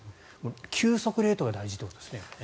急速冷凍が大事ということですね。